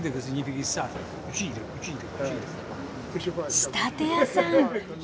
仕立て屋さん。